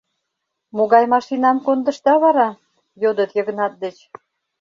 — Могай машинам кондышда вара? — йодыт Йыгнат деч.